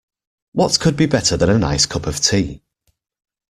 What could be better than a nice cup of tea?